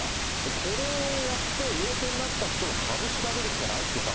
これやって陽性になった人の株調べるしかないのかな